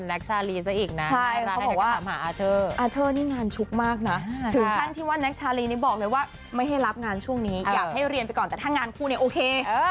แน็กแน็กมีแฟนไหมคะอ่ามีดีไหมมี